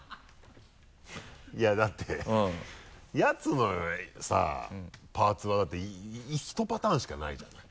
いやだってやつのさパーツはだって１パターンしかないじゃない。